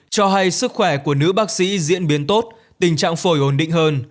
cho hay sức khỏe của nữ bác sĩ diễn biến tốt tình trạng phổi ổn định hơn